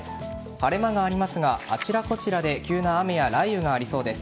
晴れ間がありますがあちらこちらで急な雨や雷雨がありそうです。